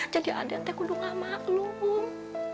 jadi aden kudu gak maklum